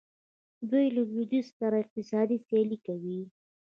دوی له لویدیځ سره اقتصادي سیالي کوي.